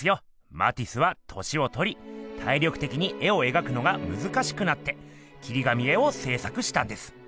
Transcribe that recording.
マティスは年をとり体力てきに絵を描くのがむずかしくなって切り紙絵をせい作したんです。